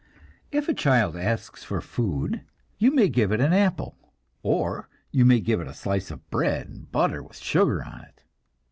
If a child asks for food, you may give it an apple, or you may give it a slice of bread and butter with sugar on it.